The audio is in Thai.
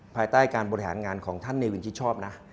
ภายใต้การบริหารงานของท่านเนวินที่ชอบนะ